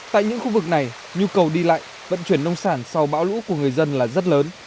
tại những khu vực này nhu cầu đi lại vận chuyển nông sản sau bão lũ của người dân là rất lớn